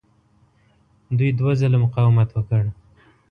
دوی دوه ځله مقاومت وکړ.